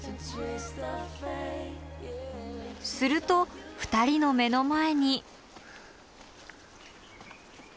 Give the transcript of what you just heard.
すると２人の目の前に。